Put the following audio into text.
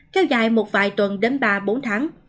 kéo dài một vài tuần đến ba bốn tháng